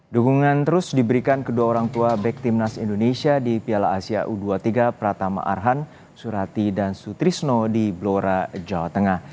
dukungan terus diberikan kedua orang tua back timnas indonesia di piala asia u dua puluh tiga pratama arhan surati dan sutrisno di blora jawa tengah